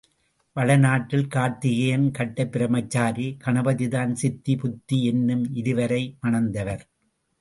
வடநாட்டில் கார்த்திகேயன் கட்டை பிரமச்சாரி, கணபதிதான் சித்தி புத்தி என்னும் இருவரை மணந்தவர்.